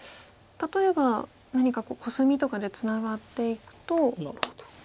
例えば何かコスミとかでツナがっていくと。なるほど。